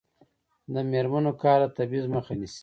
د میرمنو کار د تبعیض مخه نیسي.